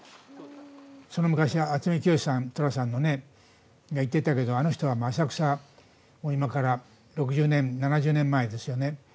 その昔、渥美清さん寅さんが言ってたけどあの人は浅草、もう今から６０年、７０年前ですよね。